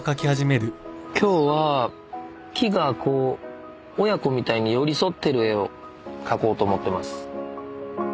今日は木が親子みたいに寄り添ってる絵を描こうと思ってます。